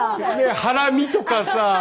ハラミとかさあ。